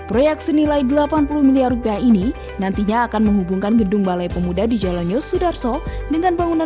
risma menargetkan gedung ini akan selesai tahun dua ribu dua puluh